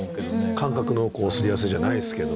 感覚の擦り合わせじゃないですけど。